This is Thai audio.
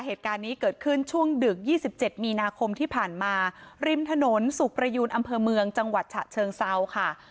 เหตุการณ์นี้เกิดขึ้นช่วงดึก๒๗มีนาคมที่ผ่านมาริมถนนสุขประยูนอำเภอเมืองจังหวัดฉะเชิงเซาค่ะ